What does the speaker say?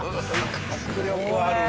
迫力あるね。